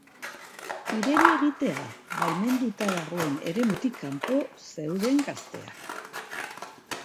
Igeri egitea baimenduta dagoen eremutik kanpo zeuden gazteak.